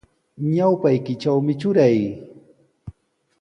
Ñawpaykitrawmi truray.